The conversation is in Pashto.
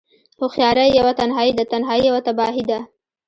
هوښياری يوه تنهايی ده، تنهايی يوه تباهی ده